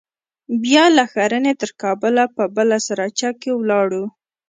بيا له ښرنې تر کابله په بله سراچه کښې ولاړو.